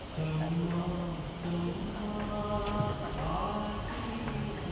แต่นี่เป็นความคิดฟร้าว